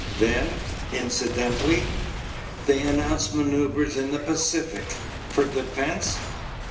Then, incidentally, they announce maneuvers in the Pacific. For defense.